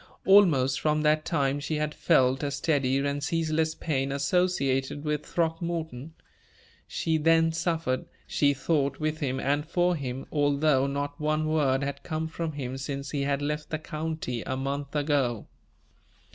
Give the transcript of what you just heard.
Almost from that time she had felt a steady and ceaseless pain associated with Throckmorton. She then suffered, she thought, with him, and for him, although not one word had come from him since he had left the county, a month ago.